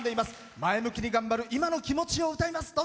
前向きに頑張る今の気持ちを歌います。